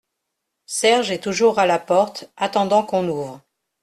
Serge est toujours à la porte, attendant qu’on ouvre.